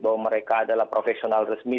bahwa mereka adalah profesional resmi